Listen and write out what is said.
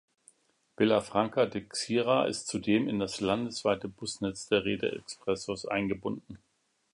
Vila Franca de Xira ist zudem in das landesweite Busnetz der Rede Expressos eingebunden.